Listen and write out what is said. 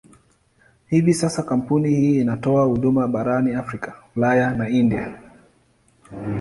Hivi sasa kampuni hii inatoa huduma barani Afrika, Ulaya na India.